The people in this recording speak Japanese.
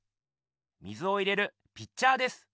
水を入れるピッチャーです。